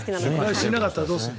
来週いなかったらどうする？